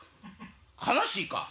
「哀しい」か。